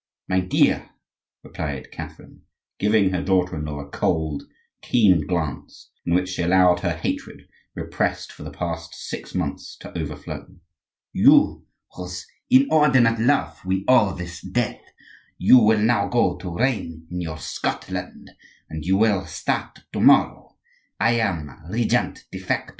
"My dear," replied Catherine, giving her daughter in law a cold, keen glance in which she allowed her hatred, repressed for the last six months, to overflow; "you, to whose inordinate love we owe this death, you will now go to reign in your Scotland, and you will start to morrow. I am regent de facto."